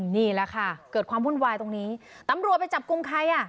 นี่แหละค่ะเกิดความวุ่นวายตรงนี้ตำรวจไปจับกลุ่มใครอ่ะ